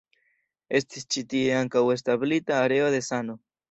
Estis ĉi tie ankaŭ establita areo de sano.